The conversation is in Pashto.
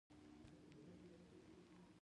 هغه زما د خوښې سندرغاړی دی.